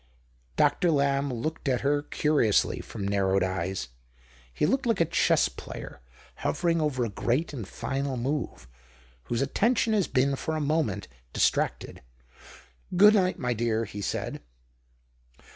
Dr. Lamb looked at her curiously from narrowed eyes. He looked like a chess player, hovering over a great and final move, whose attention has been for a moment distracted. " Good night, my dear," he said.